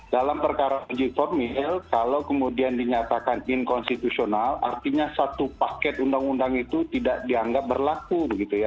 dalam perkara uji formil kalau kemudian dinyatakan inkonstitusional artinya satu paket undang undang itu tidak dianggap berlaku